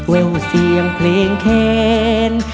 เววเสียงเพลงเข้น